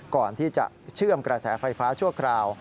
ก่อนที่จะเชื่อมกระแสไฟฟ้าชั่วคราว